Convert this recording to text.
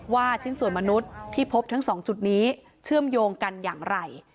ชิ้นส่วนมนุษย์ที่พบทั้งสองจุดนี้เชื่อมโยงกันอย่างไร